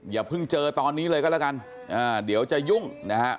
อย่าเพิ่งเจอตอนนี้เลยก็แล้วกันเดี๋ยวจะยุ่งนะฮะ